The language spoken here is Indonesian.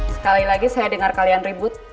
sekali lagi saya dengar kalian ribut